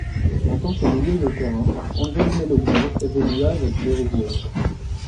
En tant que milieu de terrain, Ángel Melogno évolua avec l'Uruguay.